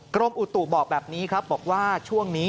กรมอุตุบอกแบบนี้ครับบอกว่าช่วงนี้